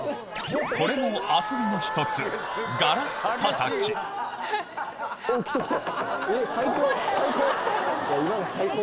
これも遊びの１つ来た来た。